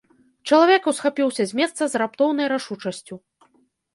Чалавек усхапіўся з месца з раптоўнай рашучасцю.